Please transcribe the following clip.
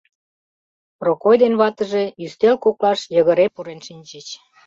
Прокой ден ватыже ӱстел коклаш йыгыре пурен шинчыч.